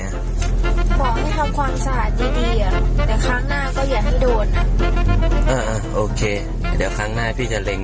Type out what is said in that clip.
หมอไม่ทำความสะอาดดีอ่ะเดี๋ยวครั้งหน้าก็อย่าให้โดน